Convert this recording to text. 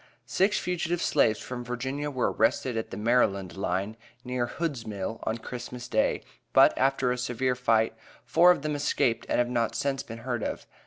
Six fugitive slaves from Virginia were arrested at the Maryland line, near Hood's Mill, on Christmas day, but, after a severe fight, four of them escaped and have not since been heard of.